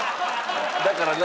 「だから何？」